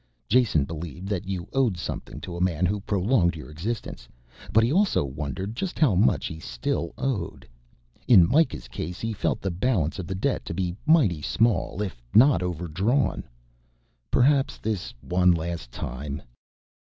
Jason believed that you owed something to a man who prolonged your existence, but he also wondered just how much he still owed. In Mikah's case he felt the balance of the debt to be mighty small, if not overdrawn. Perhaps this one last time.